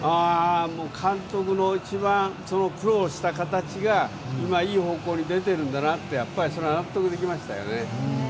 監督の一番苦労した形が今、いい方向に出ているんだなとやっぱりそれは納得できましたよね。